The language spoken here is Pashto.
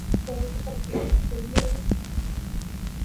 د دې سیستم کارول د خلکو په ذهنیت کې بدلون راوړي.